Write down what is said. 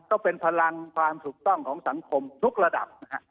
ก็เป็นพลังความถูกต้องของสังคมทุกระดับนะฮะ